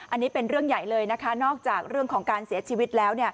อันนี้เป็นเรื่องใหญ่เลยนะคะนอกจากเรื่องของการเสียชีวิตแล้ว